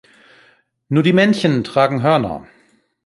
Nur die Männchen tragen Hörner.